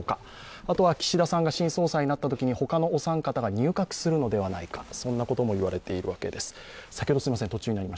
あとは岸田さんが新総裁になったときに他のお三方が入閣するのではないかとも言われています。